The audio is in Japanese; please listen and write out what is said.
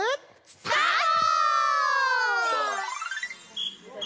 スタート！